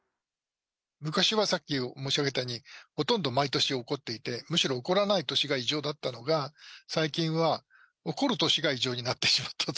昔はさっき申し上げたように、ほとんど毎年起こっていて、むしろ起こらない年が異常だったのが、最近は、起こる年が異常になってしまったと。